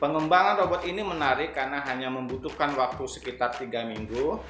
pengembangan robot ini menarik karena hanya membutuhkan waktu sekitar tiga minggu